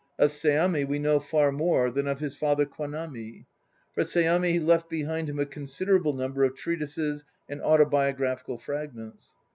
Of Seami we know far more than of his father Kwanami. For Seami left behind him a considerable number of treatises and autobiograph ical fragments.